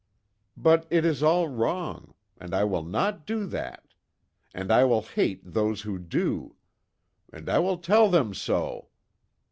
But it is all wrong, and I will not do that! And I will hate those who do! And I will tell them so!"